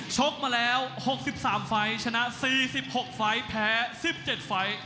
ชกมาแล้ว๖๓ไฟล์ชนะ๔๖ไฟล์แพ้๑๗ไฟล์